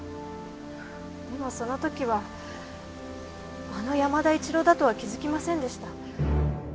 でもその時はあの山田一郎だとは気づきませんでした。